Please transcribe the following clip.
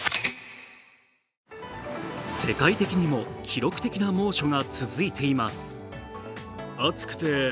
世界的にも記録的な猛暑が続いています。